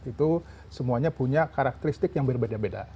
itu semuanya punya karakteristik yang berbeda beda